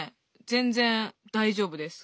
全然大丈夫です。